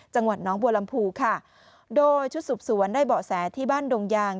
จังหวัดน้องบัวลำพูค่ะโดยชุดสืบสวนได้เบาะแสที่บ้านดงยาง